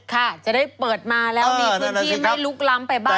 ค่ะจะได้เปิดมาแล้วมีพื้นที่ไม่ลุกล้ำไปบ้าง